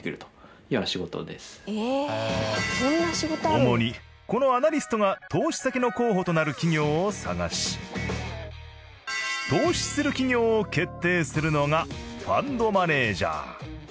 主にこのアナリストが投資先の候補となる企業を探し投資する企業を決定するのがファンドマネージャー。